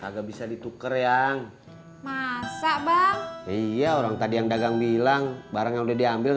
agak bisa ditukar yang masa bang iya orang tadi yang dagang bilang barang yang udah diambil